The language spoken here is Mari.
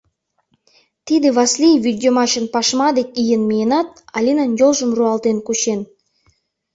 Тиде Васлий вӱд йымачын пашма дек ийын миенат, Алинан йолжым руалтен кучен.